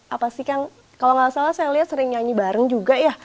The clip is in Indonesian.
apa sih kang kalau nggak salah saya lihat sering nyanyi bareng juga ya